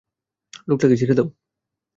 লোকটাকে ছেড়ে দাও!